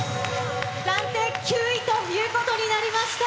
暫定９位ということになりました。